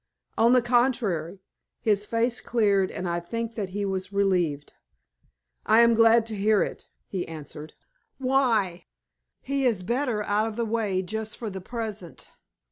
On the contrary, his face cleared, and I think that he was relieved. "I am glad to hear it," he answered. "Why?" "He is better out of the way just for the present.